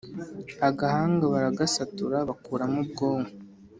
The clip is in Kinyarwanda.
agahanga baragasatura bakuramo ubwonko